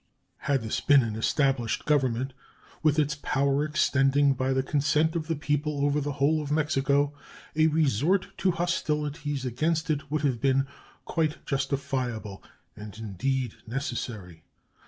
Had this been an established government, with its power extending by the consent of the people over the whole of Mexico, a resort to hostilities against it would have been quite justifiable, and, indeed, necessary.